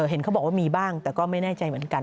เห็นเขาบอกว่ามีบ้างแต่ก็ไม่แน่ใจเหมือนกัน